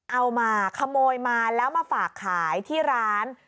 เอามาขโมยมาแล้วมาฝากขายที่ร้าน